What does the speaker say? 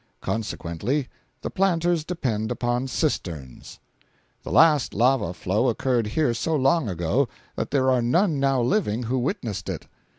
Consequently, the planters depend upon cisterns. The last lava flow occurred here so long ago that there are none now living who witnessed it.